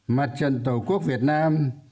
mặt trận tổ quốc việt nam